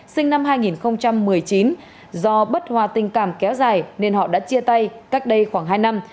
sinh năm hai nghìn một mươi chín do bất hòa tình cảm kéo dài nên họ đã chia tay cách đây khoảng hai năm